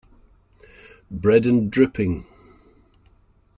Bread and dripping.